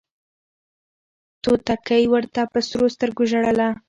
توتکۍ ورته په سرو سترګو ژړله